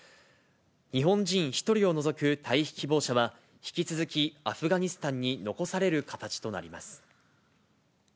日本人１人を除く退避希望者は、引き続き、アフガニスタンに残される形となります。